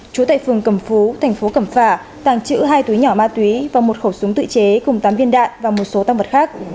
trú tại phường cẩm phú thành phố cẩm phả tàng trữ hai túi nhỏ ma túy và một khẩu súng tự chế cùng tám viên đạn và một số tăng vật khác